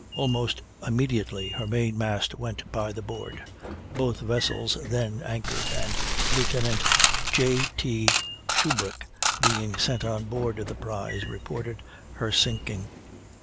Almost immediately her main mast went by the board. Both vessels then anchored, and Lieutenant J. T Shubrick, being sent on board the prize, reported her sinking.